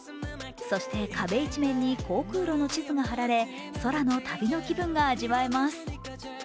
そして壁一面に航空路の地図が貼られ空の旅の気分が味わえます。